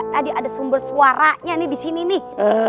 tadi ada sumber suaranya nih di sini nih